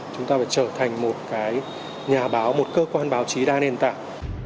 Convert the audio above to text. chúng ta phải trở thành một cái nhà báo một cơ quan báo chí đa nền tảng